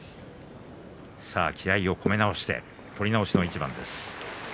さあ、気合いを込めまして取り直しの一番です。